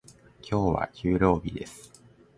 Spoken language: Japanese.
今日は給料日です。